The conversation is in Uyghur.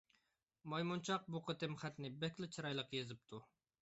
مايمۇنچاق بۇ قېتىم خەتنى بەكلا چىرايلىق يېزىپتۇ.